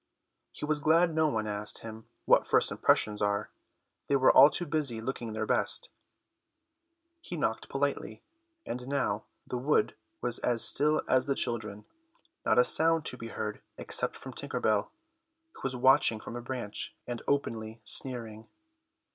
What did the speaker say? He was glad no one asked him what first impressions are; they were all too busy looking their best. He knocked politely, and now the wood was as still as the children, not a sound to be heard except from Tinker Bell, who was watching from a branch and openly sneering.